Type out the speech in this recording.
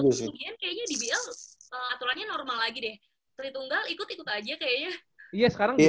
kayaknya dbl aturannya normal lagi deh tiga x tiga ikut ikut aja kayaknya